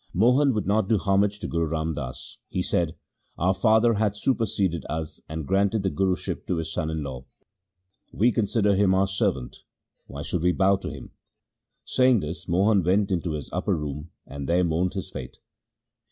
Mohan would not do homage to Guru Ram Das. He said, ' Our father hath superseded us and granted the Guruship to his son in law. We consider him our servant ; why should we bow to him ?' Saying this, Mohan went into his upper room and there mourned his fate.